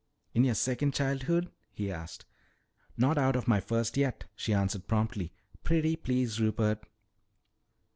"In your second childhood?" he asked. "Not out of my first yet," she answered promptly. "Pretty please, Rupert."